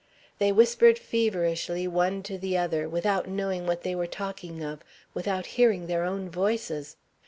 They whispered feverishly one to the other, without knowing what they were talking of, without hearing their own voices.